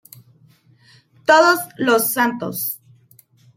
Todos los Santos.